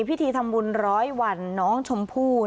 พิธีทำบุญร้อยวันน้องชมพู่